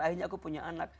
akhirnya aku punya anak